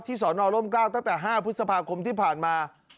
สอนอร่มกล้าวตั้งแต่๕พฤษภาคมที่ผ่านมา